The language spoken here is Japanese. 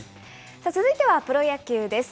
続いてはプロ野球です。